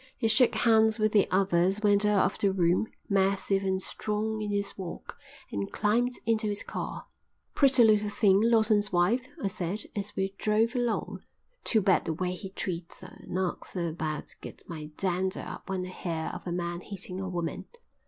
He shook hands with the others, went out of the room, massive and strong in his walk, and climbed into his car. "Pretty little thing, Lawson's wife," I said, as we drove along. "Too bad the way he treats her. Knocks her about. Gets my dander up when I hear of a man hitting a woman."